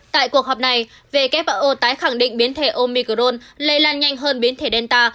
tại cuộc họp này who tái khẳng định biến thể omicron lây lan nhanh hơn biến thể delta